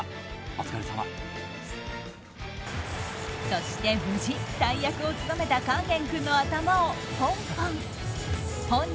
そして無事、大役を務めた勸玄君の頭をポンポン。